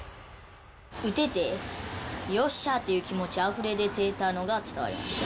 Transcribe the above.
打てて、よっしゃー！っていう気持ちあふれ出てたのが伝わりました。